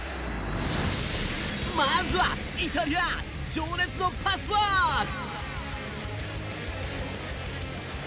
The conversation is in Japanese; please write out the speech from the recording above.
まずはイタリア情熱のパスワーク。